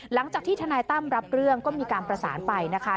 หลังจากที่ทนายตั้มรับเรื่องก็มีการประสานไปนะคะ